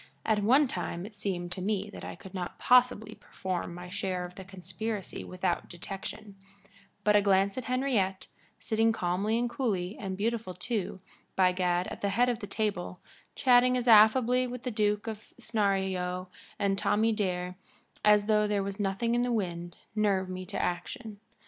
At one time it seemed to me that I could not possibly perform my share of the conspiracy without detection, but a glance at Henriette, sitting calmly and coolly, and beautiful too, by gad, at the head of the table, chatting as affably with the duke of Snarleyow and Tommy Dare as though there was nothing in the wind, nerved me to action.